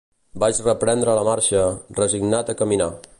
Vaig reprendre la marxa, resignat a caminar